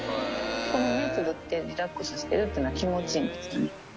この目つむって、リラックスしてるというのは、気持ちいいんですね。